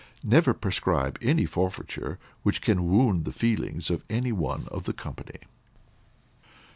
Never prescribe any forfeiture which can wound the feelings of any one of the company.